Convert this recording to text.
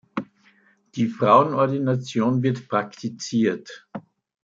Die Frauenordination wird praktiziert.